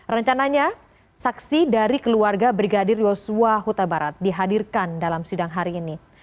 rencananya saksi dari keluarga brigadir yosua huta barat dihadirkan dalam sidang hari ini